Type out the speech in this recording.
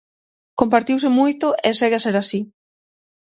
Compartiuse moito e segue a ser así.